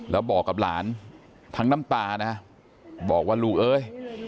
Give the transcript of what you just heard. แล้วบอกกับหลานทั้งน้ำตานะบอกว่าลูกเอ้ย